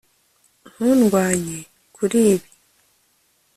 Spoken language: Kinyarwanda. ntundwanye kuri ibi